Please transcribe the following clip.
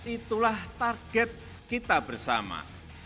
itulah target kita bersama